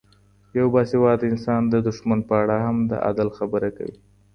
یو باسواده انسان د دښمن په اړه هم د عدل خبره کوي.